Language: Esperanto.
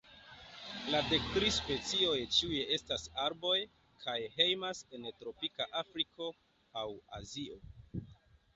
La dek tri specioj ĉiuj estas arboj, kaj hejmas en tropika Afriko aŭ Azio.